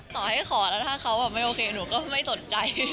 ต่อให้ขอแล้วถ้าเขาไม่โอเคหนูก็ไม่สนใจ